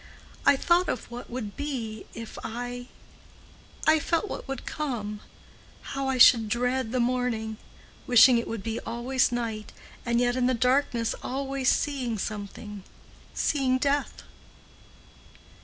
I thought of what would be if I—I felt what would come—how I should dread the morning—wishing it would be always night—and yet in the darkness always seeing something—seeing death.